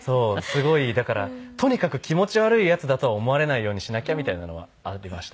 すごいだからとにかく気持ち悪いヤツだとは思われないようにしなきゃみたいなのはありましたね。